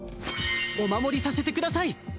お守りさせてください。